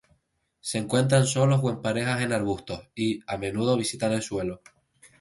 Se encuentran solos o en parejas en arbustos y, a menudo visitan el suelo.